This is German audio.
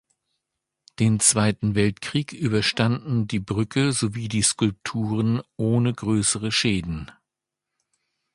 Den Zweiten Weltkrieg überstanden die Brücke sowie die Skulpturen ohne größere Schäden.